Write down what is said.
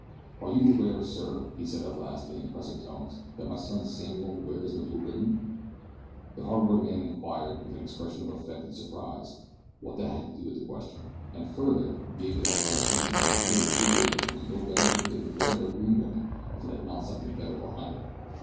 "Are you aware, sir," he said at last, in impressive tones, "that my son Samuel wears the blue ribbon?" The hardware man inquired, with an expression of affected surprise, what that had to do with the question; and further, gave it as his opinion that a bit of blue ribbon was no better than a bit of red or green ribbon if it had not something better behind it.